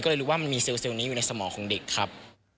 ก็เลยรู้ว่ามันมีเซลล์นี้อยู่ในสมองของเด็กครับ